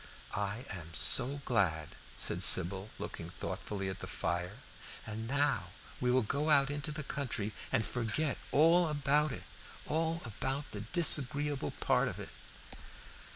"I am so glad," said Sybil, looking thoughtfully at the fire. "And now we will go out into the country and forget all about it all about the disagreeable part of it."